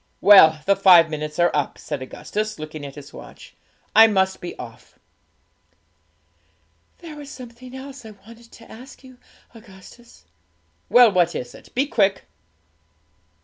Well, the five minutes are up,' said Augustus, looking at his watch; 'I must be off.' 'There was something else I wanted to ask you, Augustus.' 'Well, what is it? Be quick!'